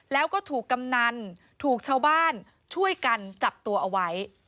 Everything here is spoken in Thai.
แล้วก็ถูกกำนันถูกชาวบ้านช่วยกันจับตัวเอาไว้